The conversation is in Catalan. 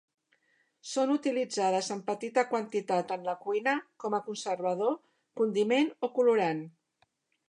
Són utilitzades en petita quantitat en la cuina com a conservador, condiment o colorant.